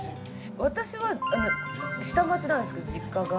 私は下町なんですけど実家が。